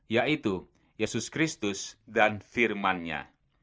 yaitu yesus kristus dan firmannya